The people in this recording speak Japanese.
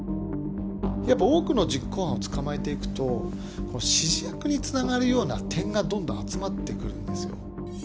やっぱ多くの実行犯を捕まえていくと、指示役につながるような点がどんどん集まってくるんですよ。